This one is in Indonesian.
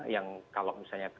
yang kalau misalnya